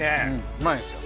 うまいんですよ